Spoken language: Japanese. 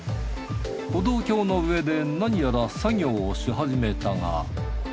歩道橋の上で何やら作業をしはじめたが。